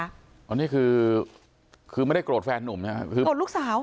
อันนี้คือคือไม่ได้โกรธแฟนนุ่มนะครับคือโกรธลูกสาว